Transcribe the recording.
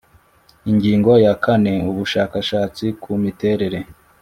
Ingingo ya kane Ubushakashatsi ku miterere